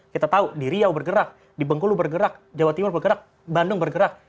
kita tahu di riau bergerak di bengkulu bergerak jawa timur bergerak bandung bergerak